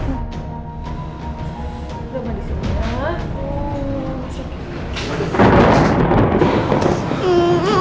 gak mau disini